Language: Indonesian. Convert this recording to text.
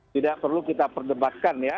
tidak perlu kita perdebatkan ya